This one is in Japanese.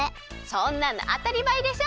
そんなのあたりまえでしょ！